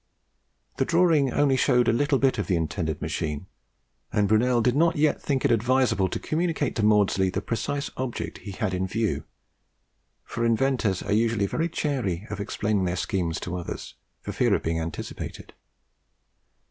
The drawing only showed a little bit of the intended machine, and Brunel did not yet think it advisable to communicate to Maudslay the precise object he had in view; for inventors are usually very chary of explaining their schemes to others, for fear of being anticipated.